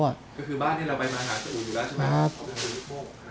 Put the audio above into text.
ก็คือบ้านนี้เราไปมาหาเจ้าอุ่นอยู่แล้วใช่มั้ย